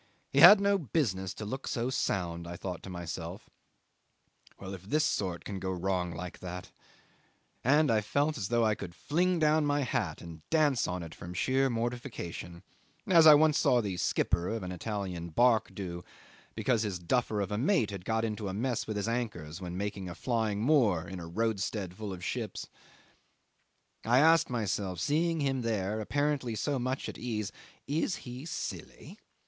He had no business to look so sound. I thought to myself well, if this sort can go wrong like that ... and I felt as though I could fling down my hat and dance on it from sheer mortification, as I once saw the skipper of an Italian barque do because his duffer of a mate got into a mess with his anchors when making a flying moor in a roadstead full of ships. I asked myself, seeing him there apparently so much at ease is he silly?